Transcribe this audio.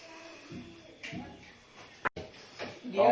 เออ